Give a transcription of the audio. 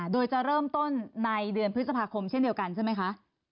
โดยจะเริ่มต้นในเดือนพฤษภาคมเช่นเดียวกันใช่ไหมคะ